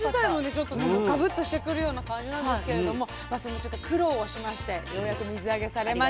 ちょっとなんかガブッとしてくるような感じなんですけれどもまあそんな苦労をしましてようやく水揚げされました